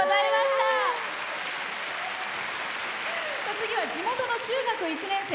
次は地元の中学１年生。